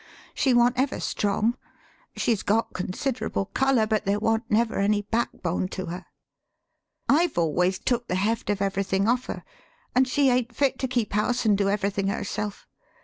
She wa'n't ever strong. She's got considerable color, but there wa'n't never any backbone to her. I've always took the heft of everything off her, an' she ain't fit to keep house an' do everything herself.